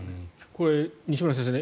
これ、西村先生